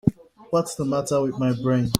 What's the matter with my brain?